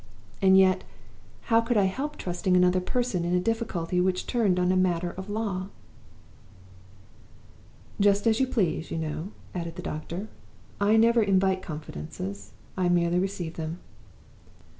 And yet, how could I help trusting another person in a difficulty which turned on a matter of law? "'Just as you please, you know,' added the doctor. 'I never invite confidences. I merely receive them.